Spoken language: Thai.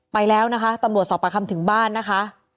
ไปแล้วนะคะตำรวจสอบประคำถึงบ้านนะคะ